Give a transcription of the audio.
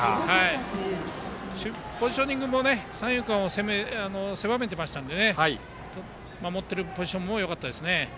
ポジショニングも三遊間を狭めていましたので守っているポジションもよかったですね。